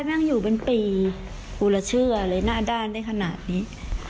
นั่งอยู่เป็นปีกูละเชื่ออะไรหน้าด้านได้ขนาดนี้